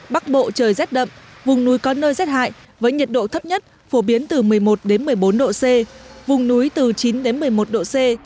bắc bộ trời rét đậm vùng núi có nơi rét hại với nhiệt độ thấp nhất phổ biến từ một mươi một đến một mươi bốn độ c vùng núi từ chín đến một mươi một độ c